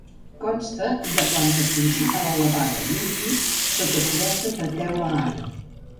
Consta de planta principal elevada i un pis, sota coberta de teula àrab.